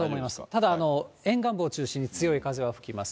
ただ、沿岸部を中心に強い風は吹きます。